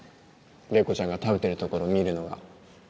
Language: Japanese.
麗子ちゃんが食べてるところ見るのが